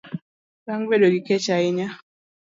bang' bedo gi kech ahinya.